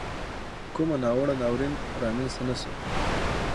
کومه ناوړه ناورین را مینځته نه سو.